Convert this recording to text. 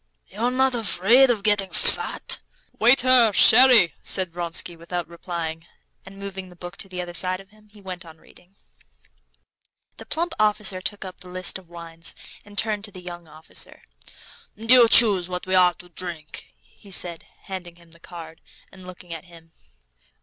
"You're not afraid of getting fat?" "Waiter, sherry!" said Vronsky, without replying, and moving the book to the other side of him, he went on reading. The plump officer took up the list of wines and turned to the young officer. "You choose what we're to drink," he said, handing him the card, and looking at him.